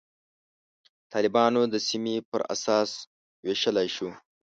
طالبان د سیمې پر اساس ویشلای شو.